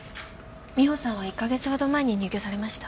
美帆さんは１か月ほど前に入居されました。